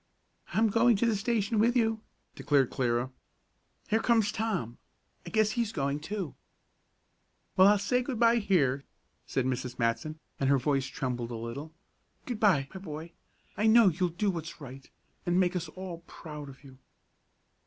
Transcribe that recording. "I'm going to the station with you," declared Clara. "Here comes Tom. I guess he's going, too." "Well, I'll say good bye here," said Mrs. Matson, and her voice trembled a little. "Good bye, my boy. I know you'll do what's right, and make us all proud of you!"